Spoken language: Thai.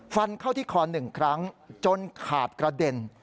ฟันเข้าที่คอ๑ครั้งจนขาดกระเด็น